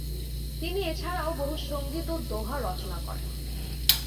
তিনি এছাড়াও বহু সঙ্গীত ও দোঁহা রচনা করেন।